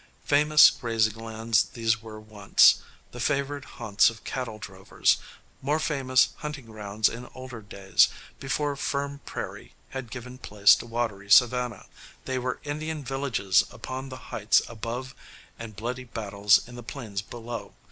Famous grazing lands these were once, the favored haunts of cattle drovers, more famous hunting grounds in older days, before firm prairie had given place to watery savanna. There were Indian villages upon the heights above and bloody battles in the plains below.